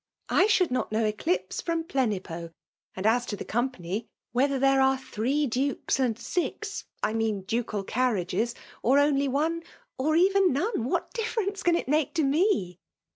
/ should not ' kpoiir Eclipse from Plenipo; and as to the company; whether there are three dukes' and six; (I mean ducal carriages,) or only one, 6r< even none, what difference can it make to me